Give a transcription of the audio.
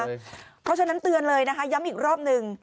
เพราะฉะนั้นเตือนเลยนะคะย้ำอีกรอบหนึ่ง